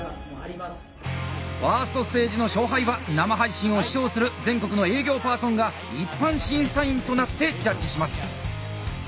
１ｓｔステージの勝敗は生配信を視聴する全国の営業パーソンが一般審査員となってジャッジします。